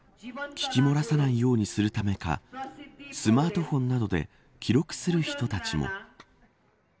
聞きもらさないようにするためかスマートフォンなどで記録する人たちも。